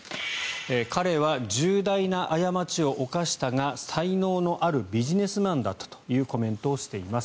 彼は重大な過ちを犯したが才能のあるビジネスマンだったというコメントをしています。